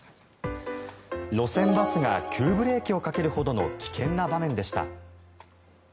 路線バスが急ブレーキをかけるほどの危険な場面でした。